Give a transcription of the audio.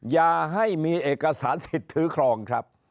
อย่าให้มีเอกสารสิทธิ์ถือครองครับ